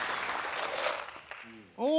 お！